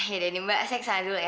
yaudah nih mbak saya kesana dulu ya